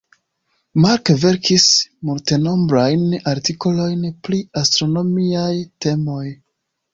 Mark verkis multenombrajn artikolojn pri astronomiaj temoj.